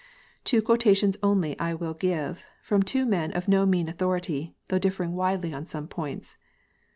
Two quotations only I will give, from two men of no mean authority, though differing widely on some points.